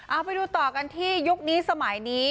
เอาไปดูต่อกันที่ยุคนี้สมัยนี้